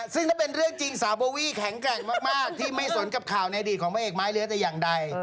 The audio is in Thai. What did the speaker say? ซึ่งถ้าเป็นเรื่องจริงสาวโบวี่แข็งแกร่งมากที่ไม่สนกับข่าวในอดีตของพระเอกไม้เหลือแต่อย่างใด